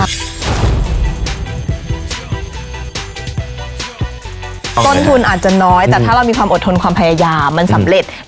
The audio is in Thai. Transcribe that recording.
ต้นทุนอาจจะน้อยแต่ถ้าเรามีความอดทนความพยายามมันสำเร็จ